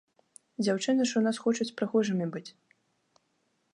Дзяўчыны ж у нас хочуць прыгожымі быць.